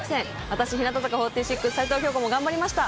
私、日向坂４６・齊藤京子も頑張りました。